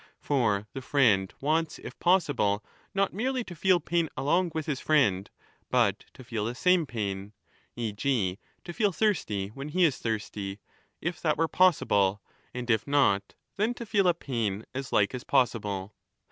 For the friend wants, if possible,^ not merely to feel pain along with his friend, but to feel the same pain, e. g. to feel thirsty when he is thirsty, if that were possible, and if not,® then to feel a pain as like as possible.